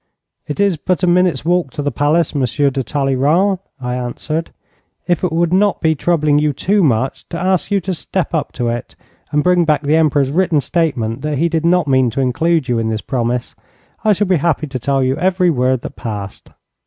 'It is but a minute's walk to the palace, Monsieur de Talleyrand,' I answered; 'if it would not be troubling you too much to ask you to step up to it and bring back the Emperor's written statement that he did not mean to include you in this promise, I shall be happy to tell you every word that passed.'